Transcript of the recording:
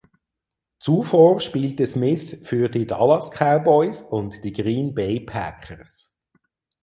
Zuvor spielte Smith für die Dallas Cowboys und die Green Bay Packers.